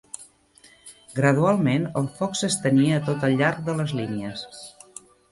Gradualment el foc s'estenia a tot el llarg de les línies